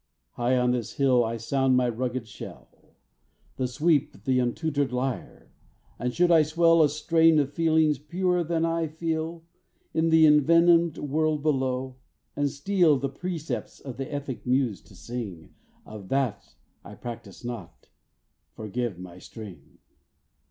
High on this hill I sound my rugged shell, And sweep th' untutored lyre; and should I swell A strain of feelings purer than I feel In th' envenomed world below, and steal The precepts of the Ethic muse to sing Of that I practise not, forgive my string.